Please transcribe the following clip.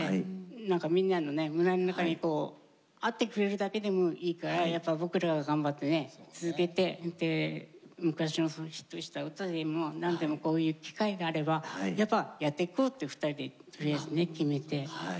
なんかみんなのね胸の中にこうあってくれるだけでもいいからやっぱ僕らが頑張ってね続けて昔のヒットした歌でも何でもこういう機会があればやっぱやっていこうって２人でとりあえずね決めて。